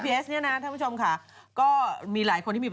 พี่สองคนคุยเรื่องอะไรกันอีกแล้วเนี่ย